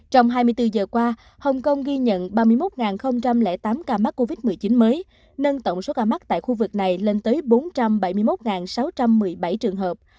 trong hai mươi bốn giờ qua hồng kông ghi nhận ba mươi một tám ca mắc covid một mươi chín mới nâng tổng số ca mắc tại khu vực này lên tới bốn trăm bảy mươi một sáu trăm một mươi bảy trường hợp